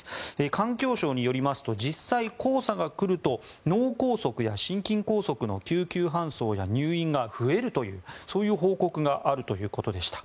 環境省によりますと実際、黄砂が来ると脳梗塞や心筋梗塞の救急搬送や入院が増えるというそういう報告があるということでした。